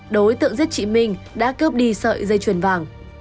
đối tượng giết chị minh đã cướp đi sợi dây chuyền vàng